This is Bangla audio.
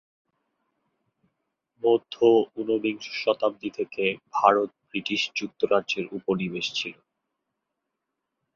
মধ্য-ঊনবিংশ শতাব্দী থেকে ভারত ব্রিটিশ যুক্তরাজ্যের উপনিবেশ ছিল।